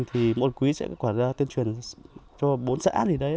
thì một quý sẽ quản ra tuyên truyền cho bốn xã gì đấy